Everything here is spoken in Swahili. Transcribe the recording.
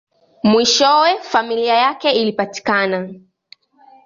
Mwishowe, familia yake ilipatikana.